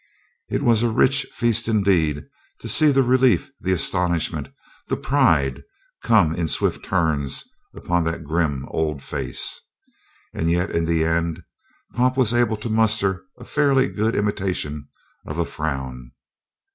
It was a rich feast indeed to see the relief, the astonishment, the pride come in swift turns upon that grim old face. And yet in the end Pop was able to muster a fairly good imitation of a frown.